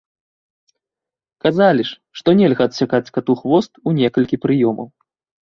Казалі ж, што нельга адсякаць кату хвост у некалькі прыёмаў.